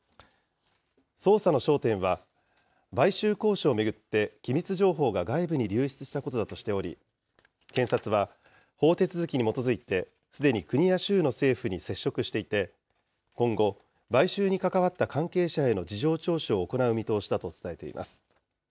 捜査の焦点は、買収交渉を巡って、機密情報が外部に流出したことだとしており、検察は、法手続きに基づいて、すでに国や州の政府に接触していて、今後、買収に関わった関係者への事情聴取を行う見通しだと伝えています。